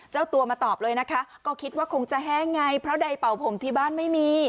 เจ้าตัวมาตอบเลยนะคะก็คิดว่าคงจะแห้งไงเพราะใดเป่าผมที่บ้านไม่มี